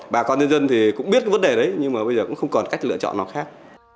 bà con nhân dân thì cũng biết vấn đề đấy nhưng mà bây giờ cũng không còn cách lựa chọn nào khác